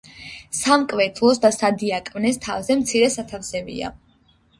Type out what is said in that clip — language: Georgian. სამკვეთლოს და სადიაკვნეს თავზე მცირე სათავსებია.